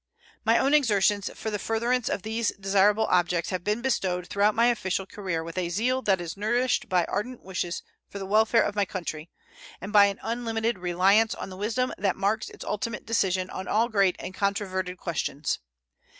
My own exertions for the furtherance of these desirable objects have been bestowed throughout my official career with a zeal that is nourished by ardent wishes for the welfare of my country, and by an unlimited reliance on the wisdom that marks its ultimate decision on all great and controverted questions.